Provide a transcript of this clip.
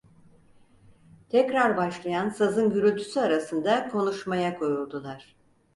Tekrar başlayan sazın gürültüsü arasında konuşmaya koyuldular.